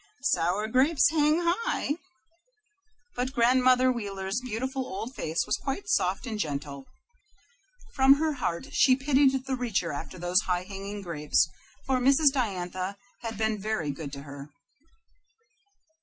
Sour grapes hang high." But Grandmother Wheeler's beautiful old face was quite soft and gentle. From her heart she pitied the reacher after those high hanging sour grapes, for Mrs. Diantha had been very good to her.